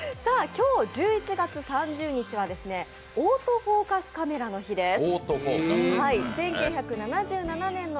今日１１月３０日はオートフォーカスカメラの日です。